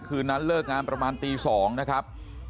คืนนั้นเลิกงานประมาณตี๒นะครับ